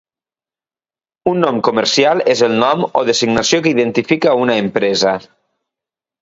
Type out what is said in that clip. Un nom comercial és el nom o designació que identifica una empresa.